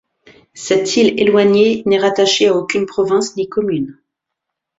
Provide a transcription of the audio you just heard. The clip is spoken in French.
Cette île éloignée n'est rattachée à aucune province ni commune.